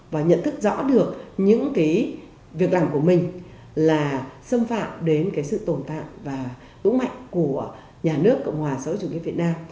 và nhận thức rõ được những cái việc làm của mình là xâm phạm đến cái sự tồn tại và vững mạnh của nhà nước cộng hòa sở chủ nghĩa việt nam